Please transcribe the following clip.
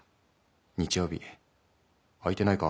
日曜日空いてないか？」。